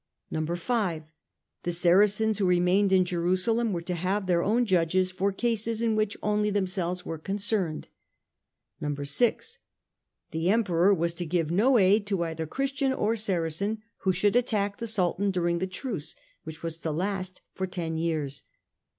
5. The Saracens who remained in Jerusalem were to have their own judges for cases in which only themselves were concerned. 6. The Emperor was to give no aid to either Christian or Saracen who should attack the Sultan during the Truce, which was to last for ten years.